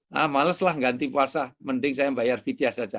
nah males lah ganti puasa mending saya bayar vidya saja